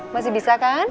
masih bisa kan